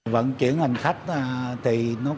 vận chuyển hành khách thì nó có